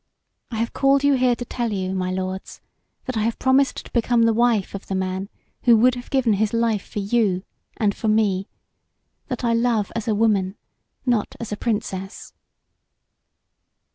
I have called you here to tell you, my lords, that I have promised to become the wife of the man who would have given his life for you and for me that I love as a woman, not as a Princess."